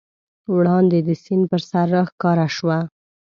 وړاندې د سیند پر سر راښکاره شوه.